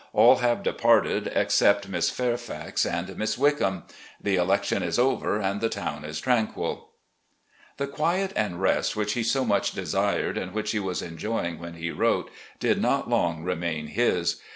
All have departed except Miss Fairfax and Miss Wickham. The election is over and the town is tranquil." The quiet and rest which he so much desired, and which he was enjo3ring when he wrote, did not long remain his.